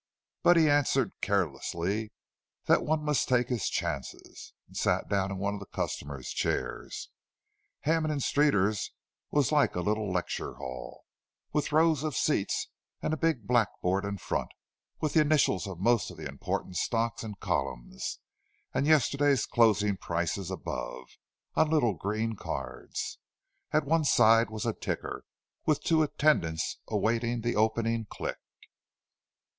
But he answered, carelessly, that one must take his chance, and sat down in one of the customer's chairs. Hammond and Streeter's was like a little lecture hall, with rows of seats and a big blackboard in front, with the initials of the most important stocks in columns, and yesterday's closing prices above, on little green cards. At one side was a ticker, with two attendants awaiting the opening click.